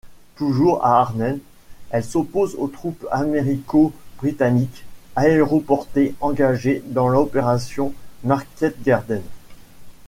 Toujours à Arnhem, elle s'oppose aux troupes américano-britanniques aéroportées engagées dans l'opération Market Garden.